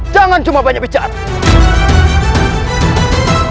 jangan cuma banyak bicaranya